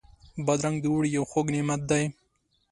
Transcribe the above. بادرنګ د اوړي یو خوږ نعمت دی.